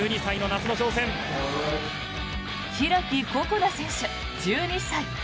開心那選手、１２歳。